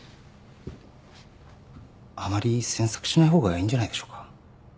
あまり詮索しない方がいいんじゃないでしょうか。